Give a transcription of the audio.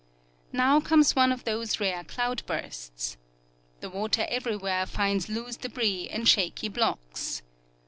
Now comes one of those rare cloud bursts. The water everywhere finds loose debris and shaky blocks.